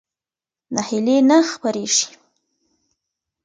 ناهیلي نه خپرېږي.